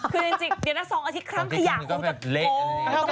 คือจริงเดี๋ยวนะ๒อาทิตย์ครั้งขยะคงจะเล็ก